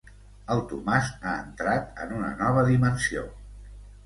El Tomàs ha entrat en una nova dimensió.